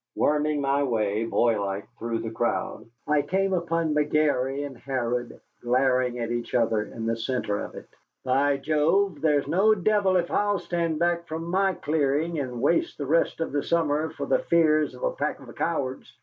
Worming my way, boylike, through the crowd, I came upon McGary and Harrod glaring at each other in the centre of it. "By Job! there's no devil if I'll stand back from my clearing and waste the rest of the summer for the fears of a pack of cowards.